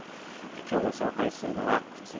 きょう、ご紹介するのはこちら。